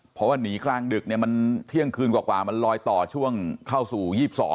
เพราะว่าหนีกลางดึกเนี่ยมันเที่ยงคืนกว่ามันลอยต่อช่วงเข้าสู่๒๒